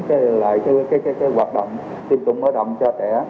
cái hoạt động tiêm chủng mở rộng cho trẻ